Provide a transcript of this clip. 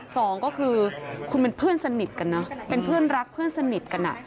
สองก็คือคุณเป็นเพื่อนสนิทกันเนอะเป็นเพื่อนรักเพื่อนสนิทกันอ่ะ